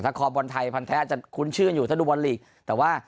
ถ้าคอบอลไทยพันธ์แท้อาจจะคุ้นชื่นอยู่ถ้าดูบอลลีกแต่ว่า